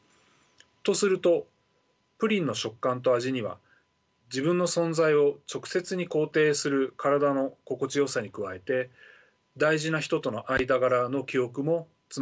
とするとプリンの食感と味には自分の存在を直接に肯定する体の心地よさに加えて大事な人との間柄の記憶も詰まっているでしょう。